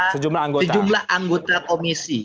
sejumlah anggota komisi